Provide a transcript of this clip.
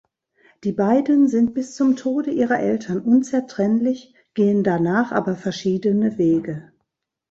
Die beiden sind bis zum Tode ihrer Eltern unzertrennlich, gehen danach aber verschiedene Wege.